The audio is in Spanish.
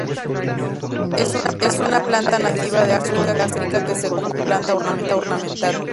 Es una planta nativa del sur de África que se cultiva como planta ornamental.